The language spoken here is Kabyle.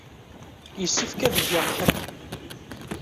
Yessefk ad geɣ kra.